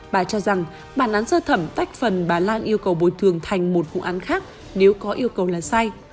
bà cho rằng bản án sơ thẩm tách phần bà lan yêu cầu bồi thường thành một vụ án khác nếu có yêu cầu là sai